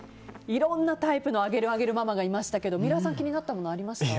いろんなタイプのあげるあげるママ、いましたけど三浦さん気になったものありました？